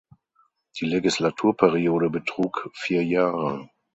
Die Legislaturperiode betrug vier Jahre.